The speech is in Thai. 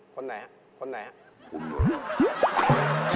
คนไหนครับคนไหนครับ